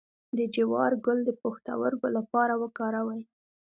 د جوار ګل د پښتورګو لپاره وکاروئ